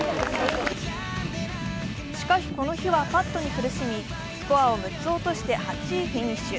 しかしこの日はパットに苦しみスコアを６つ落として８位フィニッシュ。